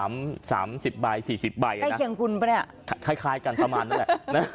ใกล้เคียงคุณปะเนี่ยคล้ายกันประมาณนั้นแหละ